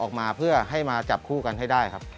ออกมาเพื่อให้มาจับคู่กันให้ได้ครับ